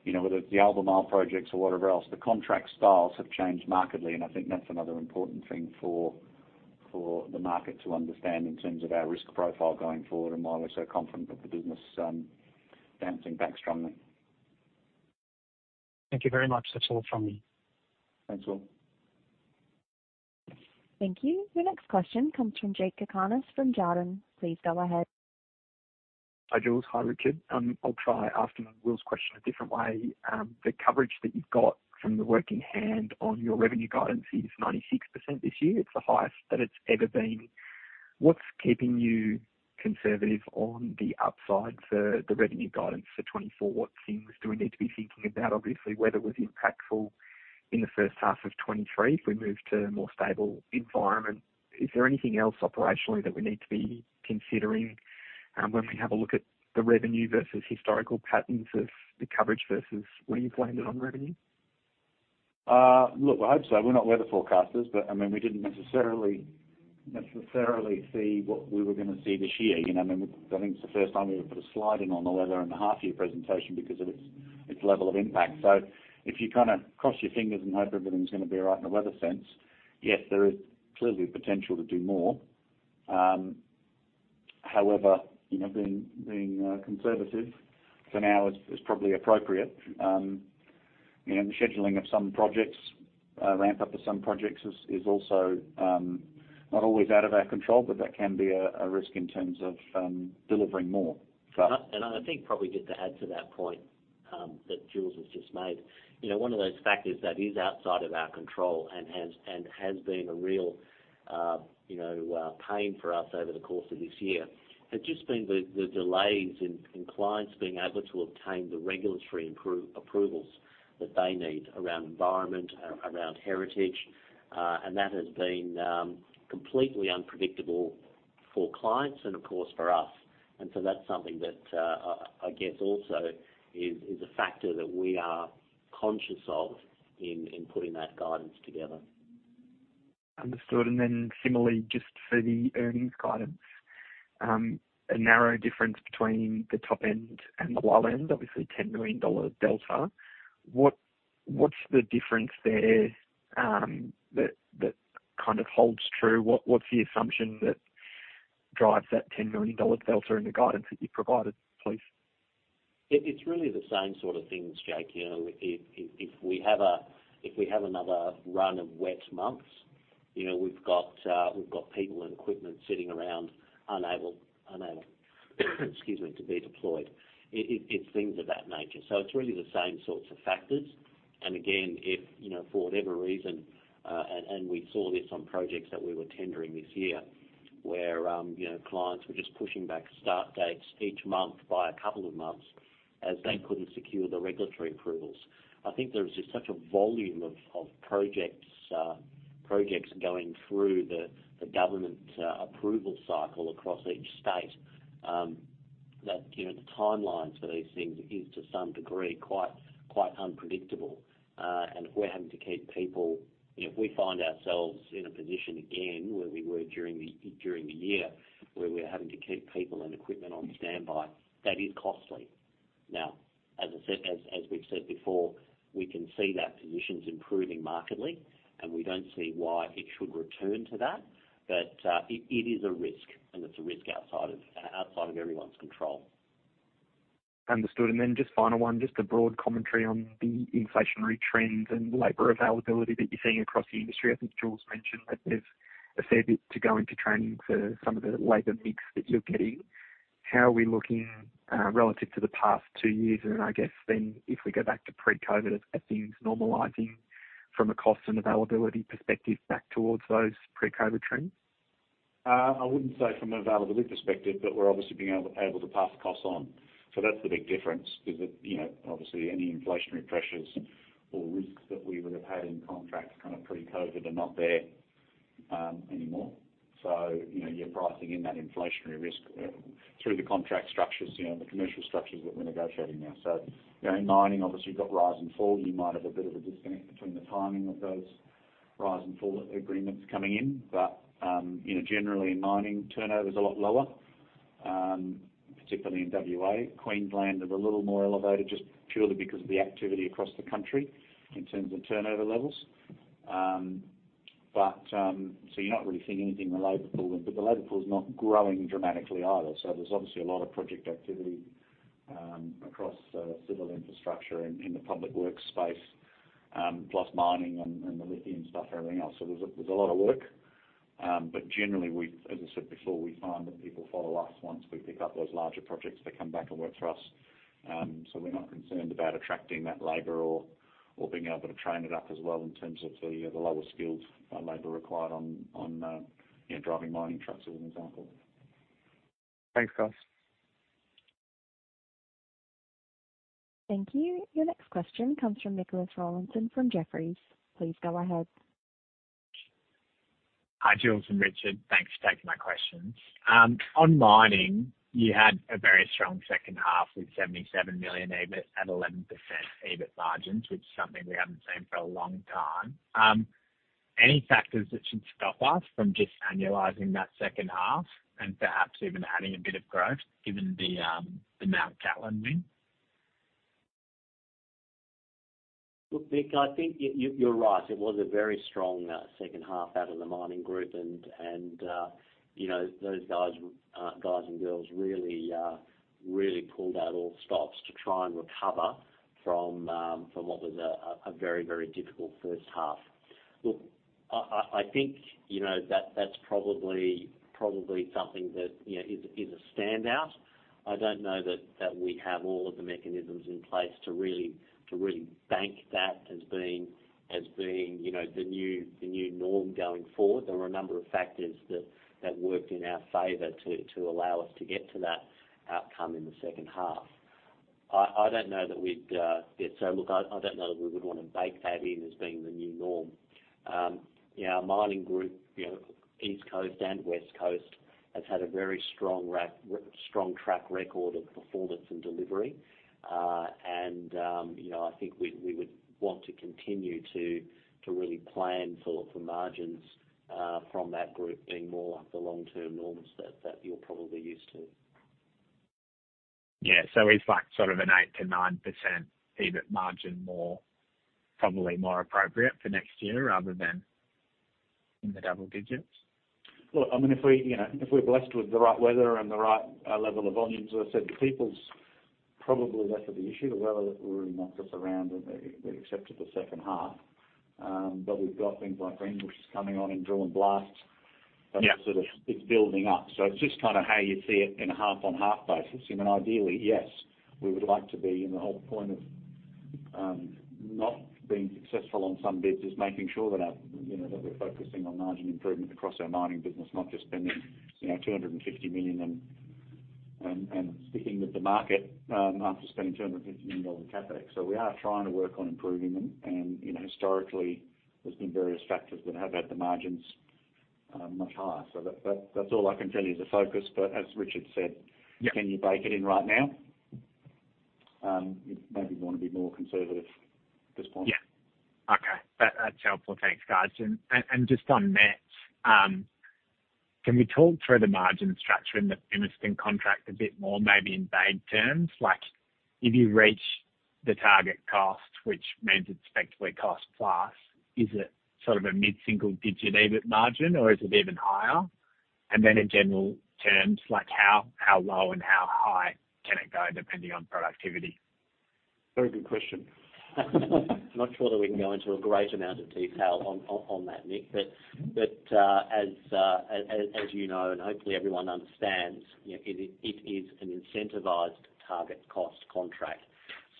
[SPEAKER 1] you know, whether it's the Albemarle projects or whatever else, the contract styles have changed markedly, and I think that's another important thing for, for the market to understand in terms of our risk profile going forward and why we're so confident that the business bouncing back strongly.
[SPEAKER 4] Thank you very much. That's all from me.
[SPEAKER 1] Thanks, Will.
[SPEAKER 3] Thank you. The next question comes from Jake Cakarnis from Jarden. Please go ahead.
[SPEAKER 5] Hi, Jules. Hi, Richard. I'll try asking Will's question a different way. The coverage that you've got from the work in hand on your revenue guidance is 96% this year. It's the highest that it's ever been. What's keeping you conservative on the upside for the revenue guidance for 2024? What things do we need to be thinking about? Obviously, weather was impactful in the first half of 2023. If we move to a more stable environment, is there anything else operationally that we need to be considering, when we have a look at the revenue versus historical patterns of the coverage versus what you've landed on revenue?
[SPEAKER 1] Look, I hope so. We're not weather forecasters, but I mean, we didn't necessarily, necessarily see what we were gonna see this year. You know, I mean, I think it's the first time we've put a slide in on the weather in the half year presentation because of its, its level of impact. If you kind of cross your fingers and hope everything's gonna be all right in a weather sense, yes, there is clearly potential to do more. However, you know, being, being conservative for now is, is probably appropriate. You know, the scheduling of some projects, ramp up of some projects is, is also not always out of our control, but that can be a, a risk in terms of delivering more.
[SPEAKER 2] I, and I think probably just to add to that point, that Jules has just made, you know, one of those factors that is outside of our control and has, and has been a real, you know, pain for us over the course of this year, has just been the, the delays in, in clients being able to obtain the regulatory approvals that they need around environment, around heritage. That has been completely unpredictable for clients and, of course, for us. So that's something that I, I guess also is, is a factor that we are conscious of in, in putting that guidance together.
[SPEAKER 5] Understood. Similarly, just for the earnings guidance, a narrow difference between the top end and the low end, obviously 10 million dollar delta. What, what's the difference there, that, that kind of holds true? What, what's the assumption that drives that 10 million dollar delta in the guidance that you provided, please?
[SPEAKER 2] It, it's really the same sort of things, Jake. You know, if, if, if we have if we have another run of wet months, you know, we've got, we've got people and equipment sitting around unable, unable, excuse me, to be deployed. It, it, it's things of that nature. So it's really the same sorts of factors. And again, if, you know, for whatever reason, and, and we saw this on projects that we were tendering this year, where, you know, clients were just pushing back start dates each month by a couple of months as they couldn't secure the regulatory approvals. I think there's just such a volume of, of projects, projects going through the, the government, approval cycle across each state, that, you know, the timelines for these things is, to some degree, quite, quite unpredictable. If we're having to keep people... If we find ourselves in a position again, where we were during the, during the year, where we're having to keep people and equipment on standby, that is costly. As I said, as, as we've said before, we can see that position's improving markedly, and we don't see why it should return to that. It, it is a risk, and it's a risk outside of, outside of everyone's control.
[SPEAKER 5] Understood. Just final one, just a broad commentary on the inflationary trends and labor availability that you're seeing across the industry. I think Jules mentioned that there's a fair bit to go into training for some of the labor mix that you're getting. How are we looking relative to the past 2 years? I guess then, if we go back to pre-COVID, are things normalizing from a cost and availability perspective back towards those pre-COVID trends?
[SPEAKER 1] I wouldn't say from an availability perspective, but we're obviously being able to pass the costs on. That's the big difference, is that, you know, obviously, any inflationary pressures or risks that we would have had in contracts kind of pre-COVID are not there anymore. You know, you're pricing in that inflationary risk through the contract structures, you know, the commercial structures that we're negotiating now. You know, in mining, obviously, you've got rise and fall. You might have a bit of a disconnect between the timing of those rise and fall agreements coming in. You know, generally, mining turnover is a lot lower, particularly in WA. Queensland is a little more elevated, just purely because of the activity across the country in terms of turnover levels. You're not really seeing anything in the labor pool, but the labor pool is not growing dramatically either. There's obviously a lot of project activity across civil infrastructure and in the public works space, plus mining and the lithium stuff, everything else. There's a, there's a lot of work, but generally, as I said before, we find that people follow us once we pick up those larger projects, they come back and work for us. We're not concerned about attracting that labor or being able to train it up as well in terms of the lower skilled labor required on, you know, driving mining trucks, as an example.
[SPEAKER 5] Thanks, guys.
[SPEAKER 3] Thank you. Your next question comes from Nicholas Rawlinson from Jefferies. Please go ahead.
[SPEAKER 6] Hi, Jules and Richard. Thanks for taking my questions. On mining, you had a very strong second half with 77 million EBIT at 11% EBIT margins, which is something we haven't seen for a long time. Any factors that should stop us from just annualizing that second half and perhaps even adding a bit of growth, given the, the Mt Cattlin win?
[SPEAKER 2] Look, Nick, I think you're right. It was a very strong second half out of the mining group, and, you know, those guys, guys and girls really pulled out all stops to try and recover from what was a very difficult first half. Look, I think, you know, that's probably something that, you know, is a standout. I don't know that we have all of the mechanisms in place to really bank that as being, you know, the new norm going forward. There were a number of factors that worked in our favor to allow us to get to that outcome in the second half. I, I don't know that we'd, yeah, so look, I, I don't know that we would want to bake that in as being the new norm. Yeah, our mining group, you know, East Coast and West Coast, has had a very strong strong track record of performance and delivery. You know, I think we, we would want to continue to, to really plan for, for margins, from that group being more like the long-term norms that, that you're probably used to.
[SPEAKER 6] Yeah. Is that sort of an 8%-9% EBIT margin more, probably more appropriate for next year rather than in the double digits?
[SPEAKER 1] Look, I mean, if we, you know, if we're blessed with the right weather and the right level of volumes, as I said, the people's probably less of the issue. The weather really knocks us around, and except for the second half. We've got things like [inaudible] coming on in drill and blast.
[SPEAKER 6] Yeah.
[SPEAKER 1] That sort of... It's building up. So it's just kind of how you see it in a half-on-half basis. I mean, ideally, yes, we would like to be, and the whole point of not being successful on some bids is making sure that our, you know, that we're focusing on margin improvement across our mining business, not just spending, you know, 250 million and, and, and sticking with the market, after spending 250 million dollars on CapEx. So we are trying to work on improving them, and, you know, historically, there's been various factors that have had the margins much higher. So that, that, that's all I can tell you is the focus, but as Richard said...
[SPEAKER 6] Yeah.
[SPEAKER 1] Can you bake it in right now? Maybe we want to be more conservative at this point.
[SPEAKER 6] Yeah. Okay. That, that's helpful. Thanks, guys. Just on that, can we talk through the margin structure in the Fimiston. contract a bit more, maybe in vague terms? Like, if you reach the target cost, which means it's effectively cost plus, is it sort of a mid-single-digit EBIT margin, or is it even higher? Then in general terms, like how, how low and how high can it go depending on productivity?
[SPEAKER 1] Very good question.
[SPEAKER 2] Not sure that we can go into a great amount of detail on, on, on that, Nick. But, but, as, as you know, and hopefully everyone understands, you know, it is, it is an incentivized target cost contract.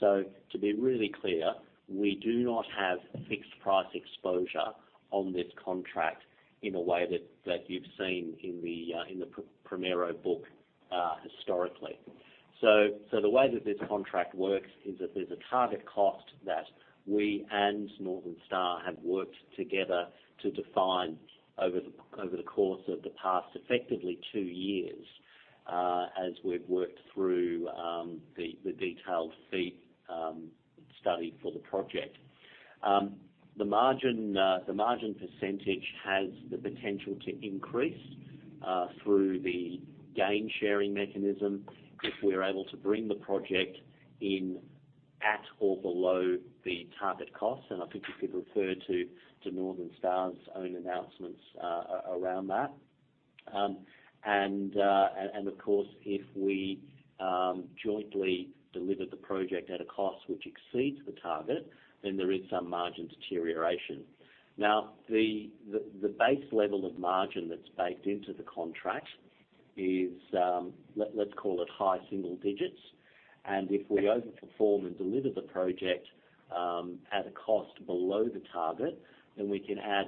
[SPEAKER 2] To be really clear, we do not have fixed price exposure on this contract in a way that, that you've seen in the, in the Primero book, historically. The way that this contract works is that there's a target cost that we and Northern Star have worked together to define over the, over the course of the past, effectively 2 years, as we've worked through, the, the detailed FEED, study for the project. The margin, the margin % has the potential to increase through the gain-sharing mechanism if we're able to bring the project in at or below the target cost. I think you could refer to Northern Star's own announcements around that. Of course, if we jointly deliver the project at a cost which exceeds the target, then there is some margin deterioration. Now, the base level of margin that's baked into the contract is, let's call it high single digits. If we overperform and deliver the project at a cost below the target, then we can add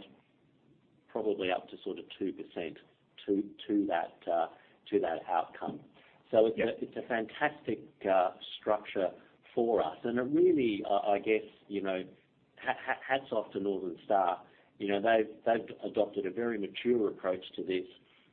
[SPEAKER 2] probably up to sort of 2% to that outcome. It's a, it's a fantastic structure for us, and a really, I guess, you know, hats off to Northern Star. You know, they've, they've adopted a very mature approach to this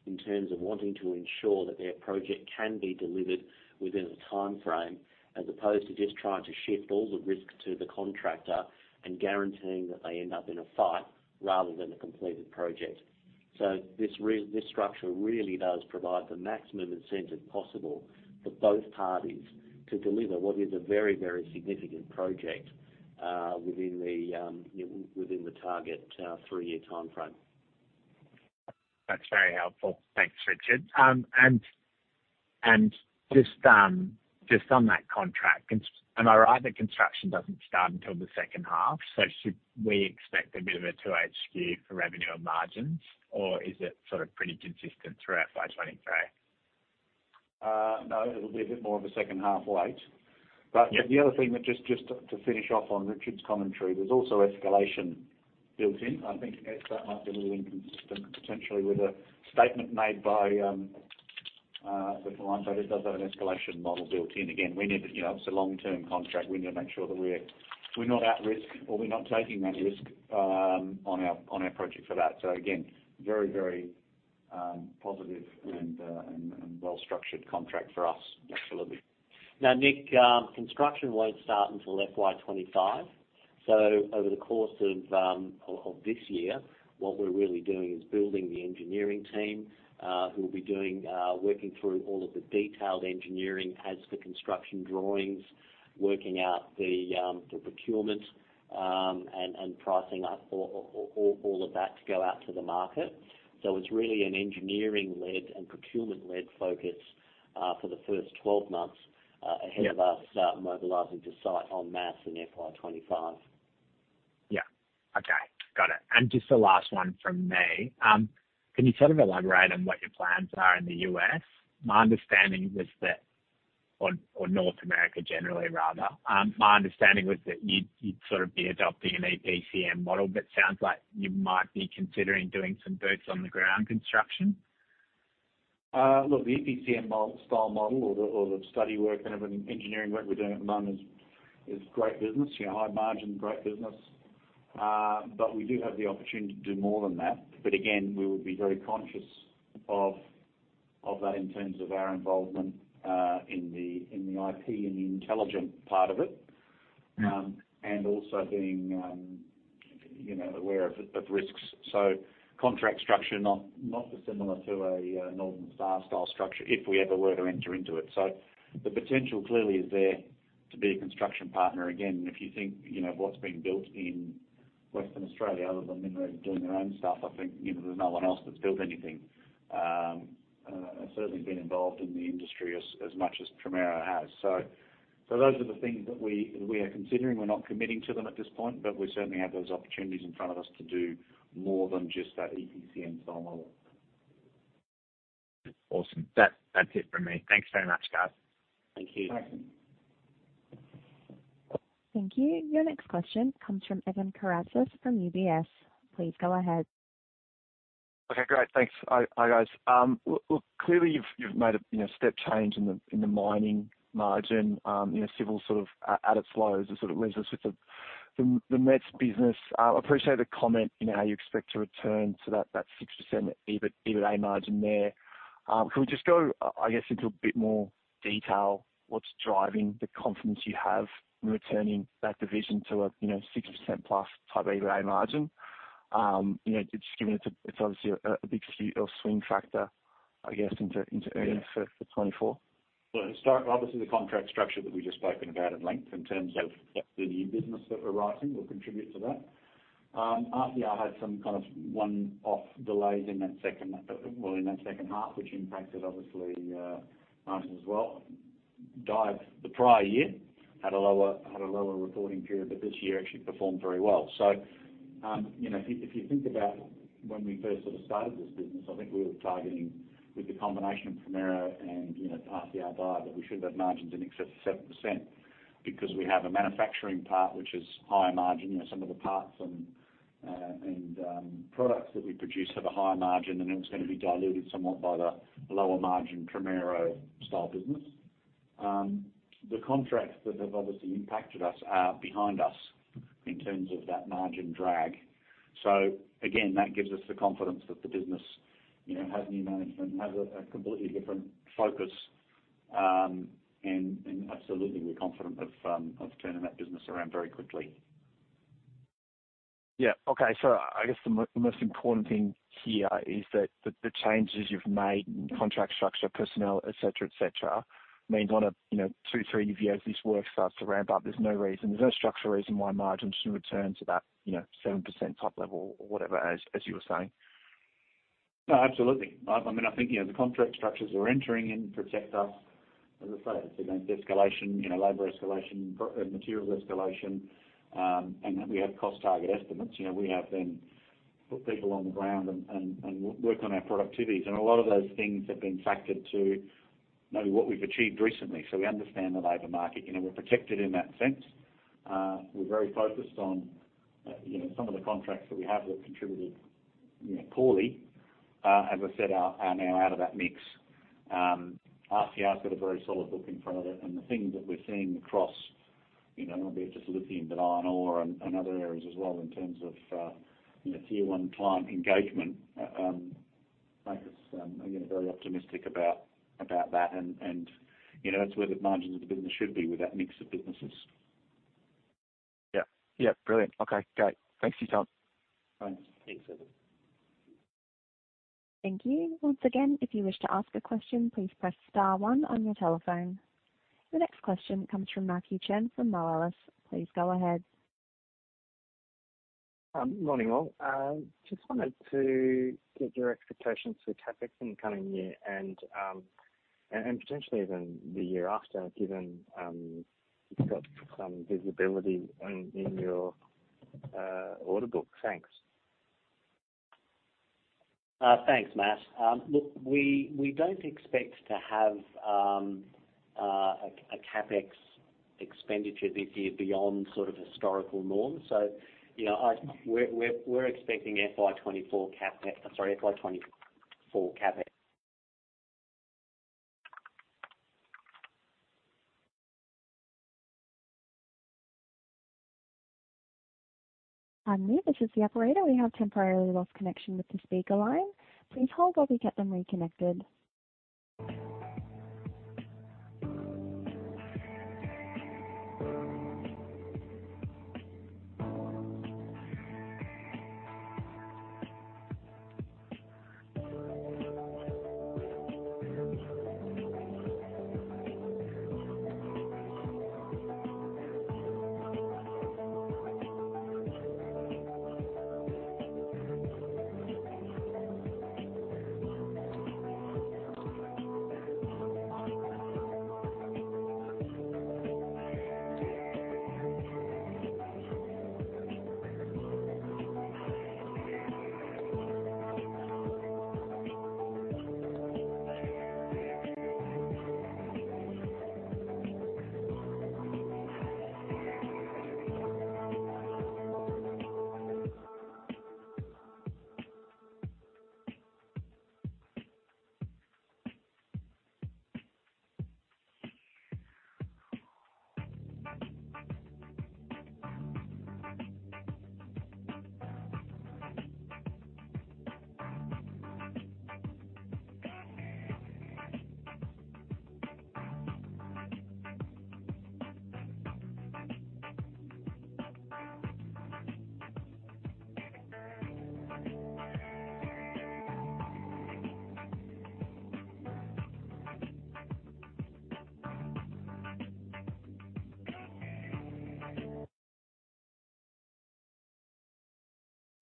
[SPEAKER 2] in terms of wanting to ensure that their project can be delivered within a timeframe, as opposed to just trying to shift all the risk to the contractor and guaranteeing that they end up in a fight rather than a completed project. This structure really does provide the maximum incentive possible for both parties to deliver what is a very, very significant project, within the, you know, within the target, 3-year timeframe.
[SPEAKER 6] That's very helpful. Thanks, Richard. Just, just on that contract, am I right that construction doesn't start until the second half? Should we expect a bit of a 2H skew for revenue and margins, or is it sort of pretty consistent throughout FY23?
[SPEAKER 1] No, it'll be a bit more of a second half wait.
[SPEAKER 6] Yeah.
[SPEAKER 1] The other thing that just, just to finish off on Richard's commentary, there's also escalation built in. I think that might be a little inconsistent, potentially, with a statement made by the client, but it does have an escalation model built in. Again, we need to... You know, it's a long-term contract. We need to make sure that we're, we're not at risk, or we're not taking that risk, on our, on our project for that. Again, very, very positive and, and well-structured contract for us absolutely.
[SPEAKER 2] Nick, construction won't start until FY25. Over the course of, of, of this year, what we're really doing is building the engineering team, who will be doing, working through all of the detailed engineering as the construction drawings, working out the, the procurement, and, and pricing up all, all, all of that to go out to the market. It's really an engineering-led and procurement-led focus, for the first 12 months.
[SPEAKER 6] Yeah...
[SPEAKER 2] ahead of us start mobilizing to site en masse in FY25.
[SPEAKER 6] Yeah. Okay, got it. Just the last one from me. Can you sort of elaborate on what your plans are in the US? My understanding was that, or, or North America generally, rather, my understanding was that you'd, you'd sort of be adopting an EPCM model, but sounds like you might be considering doing some boots-on-the-ground construction.
[SPEAKER 1] Look, the EPCM style model or the, or the study work and of an engineering work we're doing at the moment is, is great business, you know, high margin, great business. We do have the opportunity to do more than that. Again, we would be very conscious of, of that in terms of our involvement, in the, in the IP and the intelligent part of it.
[SPEAKER 6] Mm-hmm.
[SPEAKER 1] And also being, you know, aware of, of risks. Contract structure, not, not dissimilar to a Northern Star style structure, if we ever were to enter into it. The potential clearly is there to be a construction partner. Again, if you think, you know, of what's being built in Western Australia, other than Mineral doing their own stuff, I think, you know, there's no one else that's built anything, certainly been involved in the industry as, as much as Primero has. Those are the things that we, we are considering. We're not committing to them at this point, but we certainly have those opportunities in front of us to do more than just that EPCM style model.
[SPEAKER 6] Awesome. That's it from me. Thanks very much, guys.
[SPEAKER 2] Thank you.
[SPEAKER 1] Thanks.
[SPEAKER 3] Thank you. Your next question comes from Evan Karatzas from UBS. Please go ahead.
[SPEAKER 7] Okay, great. Thanks. Hi, hi, guys. Clearly, you've, you've made a, you know, step change in the, in the mining margin. You know, civil sort of at, at its lows. It sort of leaves us with the, the, the METS business. Appreciate the comment in how you expect to return to that, that 6% EBIT, EBITDA margin there. Can we just go into a bit more detail, what's driving the confidence you have in returning that division to a, you know, 6%+ type EBITDA margin? You know, just given it's a, it's obviously a, a big swing or swing factor, I guess, into, into earnings.
[SPEAKER 1] Yeah...
[SPEAKER 7] for, for 2024.
[SPEAKER 1] Well, historic- obviously, the contract structure that we've just spoken about at length in terms of the new business that we're writing will contribute to that. RCR had some kind of one-off delays in that second, well, in that second half, which impacted obviously, margins as well. DIAB the prior year, had a lower, had a lower reporting period, but this year actually performed very well. You know, if, if you think about when we first sort of started this business, I think we were targeting with the combination of Primero and, you know, RCR DIAB, that we should have margins in excess of 7%. Because we have a manufacturing part, which is higher margin, you know, some of the parts and, and products that we produce have a higher margin, and it was going to be diluted somewhat by the lower margin Primero style business. The contracts that have obviously impacted us are behind us in terms of that margin drag. Again, that gives us the confidence that the business, you know, has new management, has a, a completely different focus. Absolutely, we're confident of turning that business around very quickly.
[SPEAKER 7] Yeah. Okay. I guess the most important thing here is that the, the changes you've made in contract structure, personnel, et cetera, et cetera, means on a, you know, 2, 3 years, this work starts to ramp up. There's no reason, there's no structural reason why margins should return to that, you know, 7% top level or whatever, as, as you were saying.
[SPEAKER 1] No, absolutely. I, I mean, I think, you know, the contract structures we're entering in protect us. As I say, it's against escalation, you know, labor escalation, material escalation, and that we have cost target estimates. You know, we have then put people on the ground and, and, and work on our productivities. A lot of those things have been factored to, you know, what we've achieved recently. We understand the labor market, you know, we're protected in that sense. We're very focused on, you know, some of the contracts that we have that contributed, you know, poorly, as I said, are, are now out of that mix. RCR's got a very solid book in front of it, and the things that we're seeing across, you know, not just lithium, but iron ore and, and other areas as well, in terms of, you know, tier one client engagement, make us, again, very optimistic about, about that. You know, that's where the margins of the business should be with that mix of businesses.
[SPEAKER 7] Yeah. Yeah, brilliant. Okay, great. Thanks for your time.
[SPEAKER 1] Thanks. Thanks, Evan.
[SPEAKER 3] Thank you. Once again, if you wish to ask a question, please press star one on your telephone. The next question comes from Matthew Chen from Moelis. Please go ahead.
[SPEAKER 8] Morning all. Just wanted to get your expectations for CapEx in the coming year and potentially even the year after, given, you've got some visibility in your order book. Thanks.
[SPEAKER 2] Thanks, Matt. Look, we don't expect to have a CapEx expenditure this year beyond sort of historical norms. You know, we're expecting FY24 CapEx, sorry, FY24 CapEx.
[SPEAKER 3] Pardon me, this is the operator. We have temporarily lost connection with the speaker line. Please hold while we get them reconnected.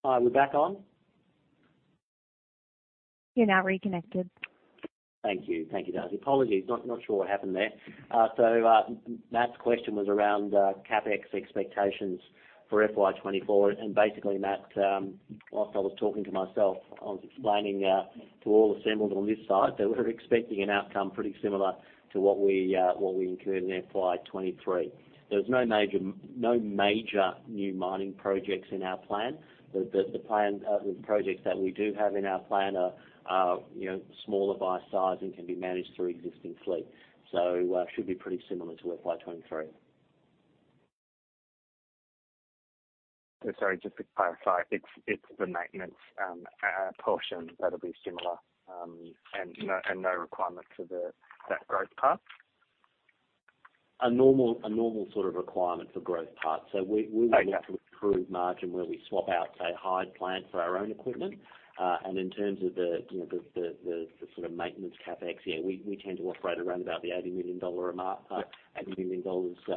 [SPEAKER 2] Hi, we're back on?
[SPEAKER 3] You're now reconnected.
[SPEAKER 2] Thank you. Thank you, Darcy. Apologies, not, not sure what happened there. Matt's question was around CapEx expectations for FY 2024. Basically, Matt, whilst I was talking to myself, I was explaining to all assembled on this side that we're expecting an outcome pretty similar to what we what we incurred in FY 2023. There was no major, no major new mining projects in our plan. The, the, the plan, the projects that we do have in our plan are, are, you know, smaller by size and can be managed through existing fleet. Should be pretty similar to FY 2023.
[SPEAKER 8] Sorry, just to clarify, it's, it's the maintenance portion that'll be similar, and no, and no requirement for the- that growth part?
[SPEAKER 2] A normal, a normal sort of requirement for growth part. We
[SPEAKER 8] Okay.
[SPEAKER 2] Look to improve margin where we swap out, say, hired plant for our own equipment. In terms of the, you know, the, the, the sort of maintenance CapEx, yeah, we, we tend to operate around about the 80 million dollars mark, AUD 80 million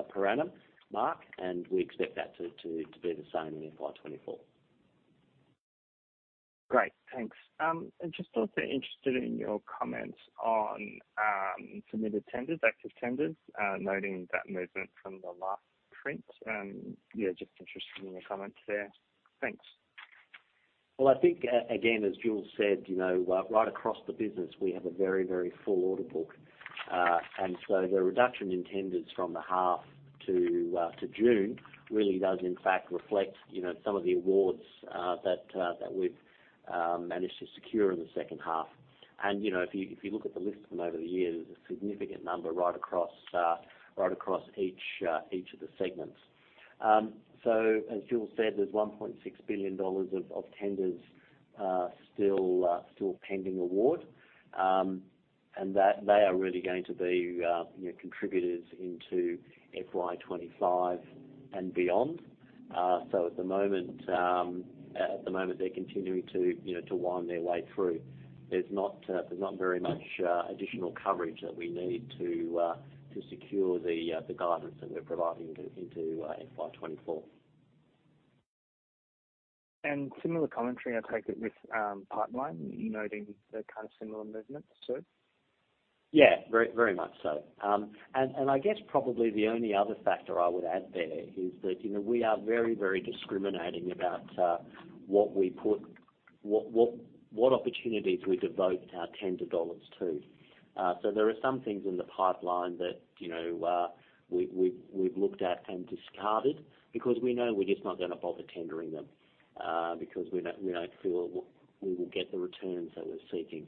[SPEAKER 2] per annum mark, and we expect that to be the same in FY24.
[SPEAKER 8] Great, thanks. Just also interested in your comments on submitted tenders, active tenders, noting that movement from the last print. Just interested in your comments there. Thanks.
[SPEAKER 2] Well, I think again, as Jules said, you know, right across the business, we have a very, very full order book. So the reduction in tenders from the half to June really does in fact reflect, you know, some of the awards that we've managed to secure in the second half. You know, if you, if you look at the list from over the years, there's a significant number right across right across each of the segments. So as Jules said, there's 1.6 billion dollars of tenders still pending award. That they are really going to be, you know, contributors into FY25 and beyond. At the moment, at the moment, they're continuing to, you know, to wind their way through. There's not, there's not very much additional coverage that we need to secure the guidance that we're providing into, into, FY24.
[SPEAKER 8] Similar commentary, I take it, with, pipeline, noting the kind of similar movements too?
[SPEAKER 2] Yeah, very, very much so. I guess probably the only other factor I would add there is that, you know, we are very, very discriminating about what we put-- what, what, what opportunities we devote our tender dollars to. There are some things in the pipeline that, you know, we've, we've, we've looked at and discarded because we know we're just not gonna bother tendering them because we don't, we don't feel we will get the returns that we're seeking.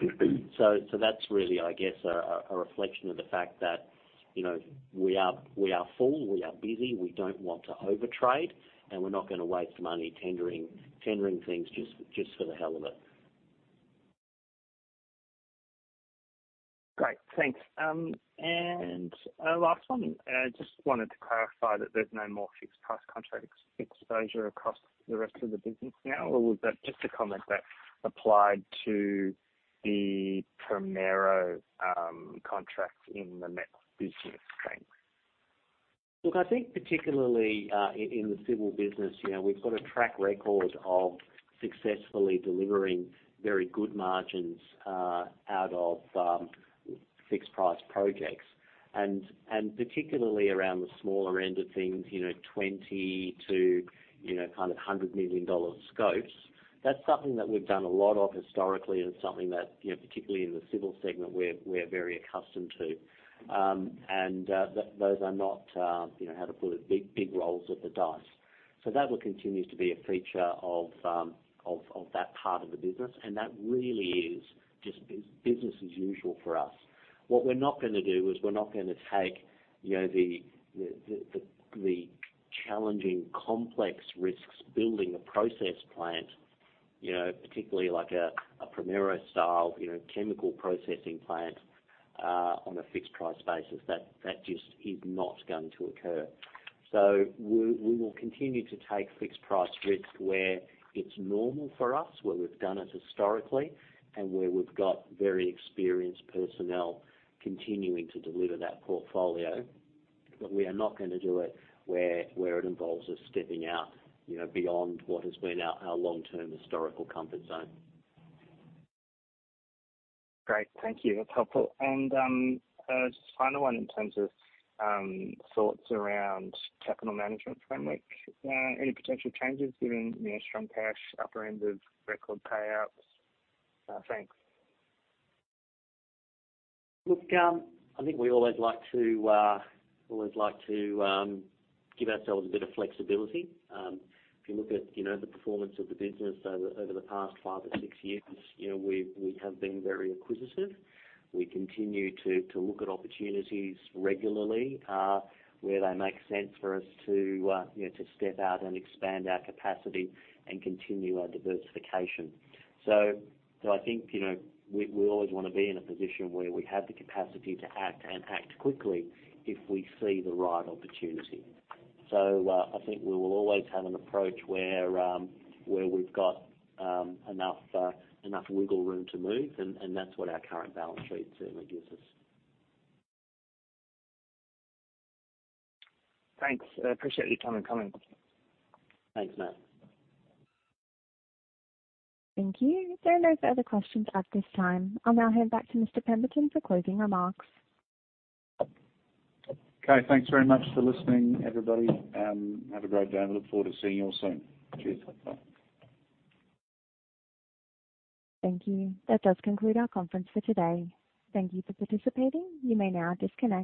[SPEAKER 2] That's really, I guess, a, a reflection of the fact that, you know, we are, we are full, we are busy, we don't want to overtrade, and we're not gonna waste money tendering, tendering things just, just for the hell of it.
[SPEAKER 8] Great, thanks. A last one. I just wanted to clarify that there's no more fixed price contract exposure across the rest of the business now, or was that just a comment that applied to the Primero contracts in the METS business? Thanks.
[SPEAKER 2] Look, I think particularly, in, in the civil business, you know, we've got a track record of successfully delivering very good margins out of fixed price projects, and, and particularly around the smaller end of things, you know, 20 million dollar to AUD 100 million scopes. That's something that we've done a lot of historically, and something that, you know, particularly in the civil segment, we're, we're very accustomed to. Those are not, you know, how to put it, big, big rolls of the dice. That will continue to be a feature of, of, of that part of the business, and that really is just business as usual for us. What we're not gonna do is we're not gonna take, you know, the, the, the, the challenging, complex risks, building a process plant, you know, particularly like a, a Primero style, you know, chemical processing plant on a fixed price basis. That, that just is not going to occur. We, we will continue to take fixed price risk where it's normal for us, where we've done it historically, and where we've got very experienced personnel continuing to deliver that portfolio. We are not gonna do it where, where it involves us stepping out, you know, beyond what has been our, our long-term historical comfort zone.
[SPEAKER 8] Great. Thank you. That's helpful. Just final one, in terms of, thoughts around capital management framework. Any potential changes given the strong cash upper end of record payouts? Thanks.
[SPEAKER 2] Look, I think we always like to, always like to, give ourselves a bit of flexibility. If you look at, you know, the performance of the business over, over the past five or six years, you know, we, we have been very acquisitive. We continue to, to look at opportunities regularly, where they make sense for us to, you know, to step out and expand our capacity and continue our diversification. So I think, you know, we, we always wanna be in a position where we have the capacity to act and act quickly if we see the right opportunity. I think we will always have an approach where, where we've got, enough, enough wiggle room to move, and, and that's what our current balance sheet certainly gives us.
[SPEAKER 8] Thanks. I appreciate your time and comment. Thanks, Matt.
[SPEAKER 3] Thank you. There are no further questions at this time. I'll now hand back to Mr. Pemberton for closing remarks.
[SPEAKER 1] Okay, thanks very much for listening, everybody, have a great day, and we look forward to seeing you all soon. Cheers. Bye.
[SPEAKER 3] Thank you. That does conclude our conference for today. Thank you for participating. You may now disconnect.